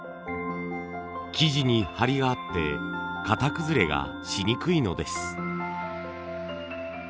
生地に張りがあって型崩れがしにくいのです。